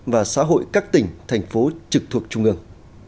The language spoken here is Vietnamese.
và xã hội các tỉnh thành phố trực thuộc trung ương